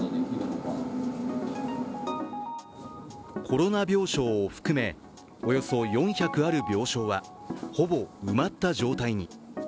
コロナ病床含め、およそ４００ある病床は、ほぼ埋まった状態に。